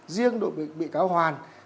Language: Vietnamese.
riêng đội bị cáo hoàn